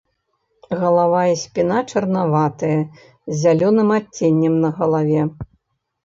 Галава і спіна чарнаватыя з зялёным адценнем на галаве.